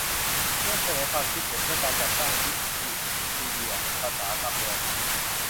ร่วมเสนอความคิดเห็นเพื่อการจัดตั้ง วิกิพีเดีย ภาษา กำเมือง